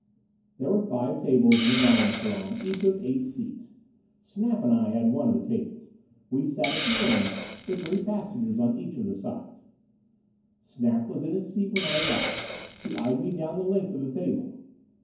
There were five tables in the dining salon, each with eight seats. Snap and I had one of the tables. We sat at the ends, with three passengers on each of the sides. Snap was in his seat when I arrived. He eyed me down the length of the table.